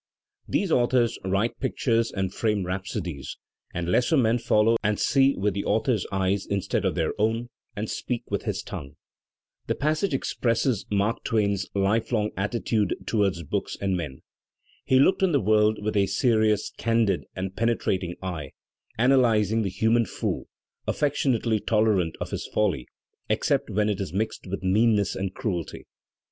These authors write pictures and frame rhapsodies, and lesser men follow and see with the author's eyes instead of their own, and speak with his tongue." The passage expresses Mark Twain's lifelong attitude toward books and men. He looked on the world with a serious, candid and penetrating eye, analyzing the human fool, afiFectionately tolerant of his folly except when it is mixed with meanness and cruelty.